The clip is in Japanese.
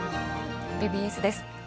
「ＷＢＳ」です。